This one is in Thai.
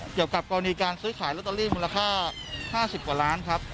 เกี่ยวกับกรณีการซื้อขายลอตเตอรี่มูลค่า๕๐กว่าล้านครับ